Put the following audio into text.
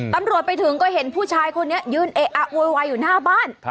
ตำรวจไปถึงก็เห็นผู้ชายคนนี้ยืนเอะอะโวยวายอยู่หน้าบ้าน